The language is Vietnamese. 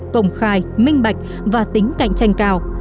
công khai minh bạch và tính cạnh tranh cao